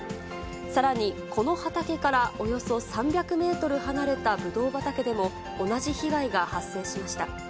さらに、この畑からおよそ３００メートル離れたぶどう畑でも、同じ被害が発生しました。